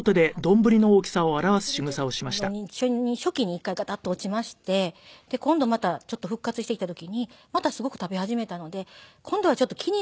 まあそれで認知症の初期に一回ガタッと落ちまして今度またちょっと復活してきた時にまたすごく食べ始めたので今度はちょっと気になりまして。